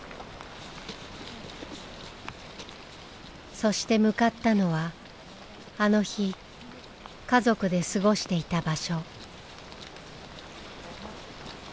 そして向かったのはあの日家族で過ごしていた場所。